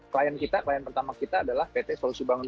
klien kita klien pertama kita adalah pt solusi bangunan